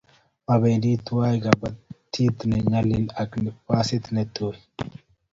mabendi tuwai kapetit ne nyalil ak pasiait ne toi